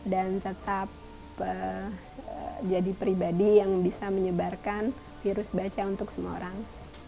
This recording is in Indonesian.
dan tetap jadi pribadi yang bisa menyebarkan virus baca untuk semua orang